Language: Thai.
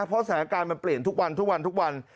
เพราะสถานการณ์เปลี่ยนทุกวัน